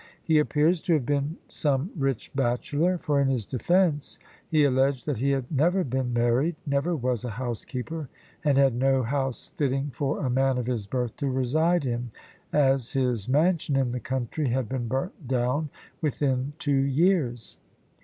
He appears to have been some rich bachelor; for in his defence he alleged that he had never been married, never was a housekeeper, and had no house fitting for a man of his birth to reside in, as his mansion in the country had been burnt down within two years.